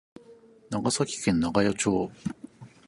長崎県長与町